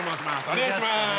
お願いします。